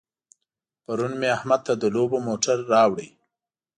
پرون مې احمد ته د لوبو موټر راوړ.